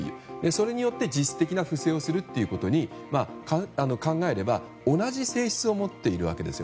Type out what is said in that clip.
それによって実質的な不正をすることだと考えれば同じ性質を持っているわけです。